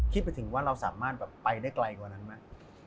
คิดไปถึงว่าเราสามารถแบบไปได้ไกลกว่านั้นไหม